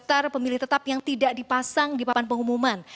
daftar pemilih tetap yang tidak dipasang di papan pengumuman